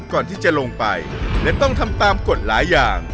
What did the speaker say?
ก่อนที่จะลงไปและต้องทำตามกฎหลายอย่าง